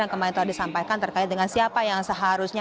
yang kemarin telah disampaikan terkait dengan siapa yang seharusnya